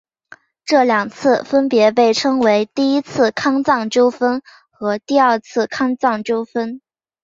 这两次分别被称为第一次康藏纠纷和第二次康藏纠纷。